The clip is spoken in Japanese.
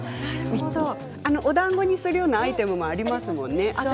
おだんごにするようなアイテムもありますよね。